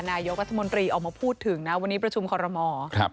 นายกรัฐมนตรีออกมาพูดถึงนะวันนี้ประชุมคอรมอล